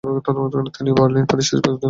তিনি বার্লিন ও প্যারিসে অধ্যয়ন করেন।